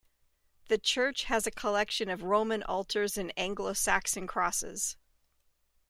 The church has a collection of Roman altars and Anglo-Saxon crosses.